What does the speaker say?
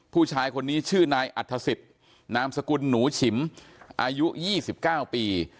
ผู้ชายคนนี้ชื่อนายอัฐศิษย์นามสกุลหนูฉิมอายุ๒๙ปี